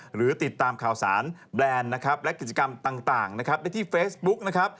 หรือติดตามข่าวสารแบรนด์นะครับและกิจกรรมต่างได้ที่เฟซบุ๊ค